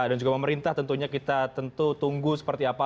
dan juga pemerintah tentunya kita tunggu seperti apa